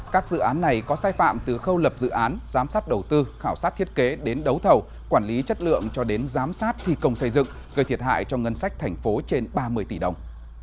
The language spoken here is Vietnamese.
các dự án này có sai phạm từ khâu lập dự án giám sát đầu tư khảo sát thiết kế đến đấu thầu quản lý chất lượng cho đến giám sát thi công xây dựng gây thiệt hại cho ngân sách thành phố trên ba mươi tỷ đồng